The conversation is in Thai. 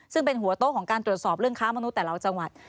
ซึ่งเป็นหัวโต๊ะของการตรวจสอบเรื่องค้ามนุษย์แต่ละจังหวัด